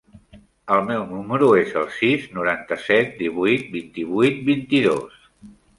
El meu número es el sis, noranta-set, divuit, vint-i-vuit, vint-i-dos.